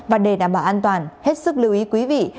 và để đảm bảo an toàn hết sức lưu ý quý vị